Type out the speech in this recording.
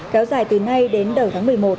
kéo dài từ nay đến đầu tháng một mươi một